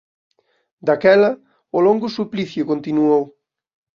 Daquela, o longo suplicio continuou.